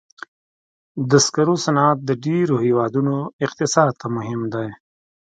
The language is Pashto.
د سکرو صنعت د ډېرو هېوادونو اقتصاد ته مهم دی.